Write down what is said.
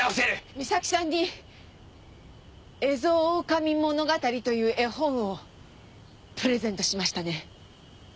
美咲さんに『エゾオオカミ物語』という絵本をプレゼントしましたね。